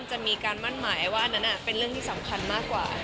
จะมีการมั่นหมายว่าอันนั้นเป็นเรื่องที่สำคัญมากกว่า